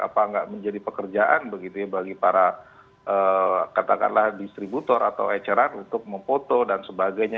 apa nggak menjadi pekerjaan begitu ya bagi para katakanlah distributor atau eceran untuk memfoto dan sebagainya